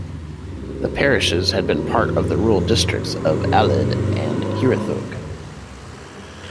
The parishes had been part of the rural districts of Aled and Hiraethog.